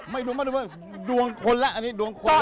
ไม่ดวงบ้านดวงเมืองดวงคนละอันนี้ดวงคนละ